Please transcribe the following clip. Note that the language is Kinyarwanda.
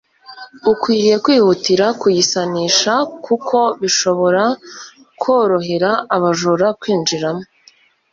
ukwiriye kwihutira kuyisanisha kuko bishobora korohera abajura kwinjiramo